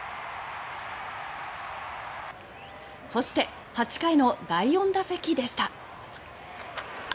そして、８回の第４打席でした。